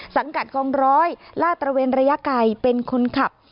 สังกัดกองร้อยลาดตระเวนระยะไกลเป็นคนขับ